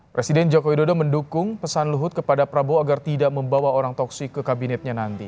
presiden jokowi dodo mendukung pesan luhut kepada prabowo agar tidak membawa orang toksik ke kabinetnya nanti